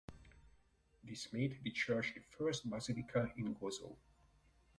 This made the church the first basilica in Gozo.